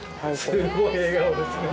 すごい笑顔ですね。